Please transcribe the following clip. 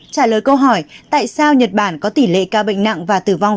trả lời câu hỏi tại sao nhật bản có tỷ lệ ca bệnh nặng và tử vong